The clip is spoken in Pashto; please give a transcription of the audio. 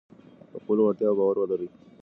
په خپلو وړتیاوو باور ولرئ.